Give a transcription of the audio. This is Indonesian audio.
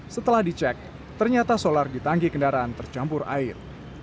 setelah dicek ternyata solar di tangki kendaraan tercampur air